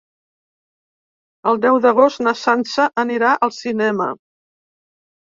El deu d'agost na Sança anirà al cinema.